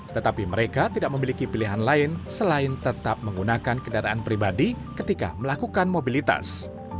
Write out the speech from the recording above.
tetapi mereka tidak memiliki pilihan lain selain tetap menggunakan kendaraan pribadi ketika melakukan mobilitas